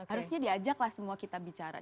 harusnya diajak lah semua kita bicara